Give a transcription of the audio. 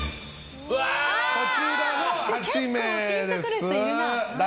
こちらの８名です。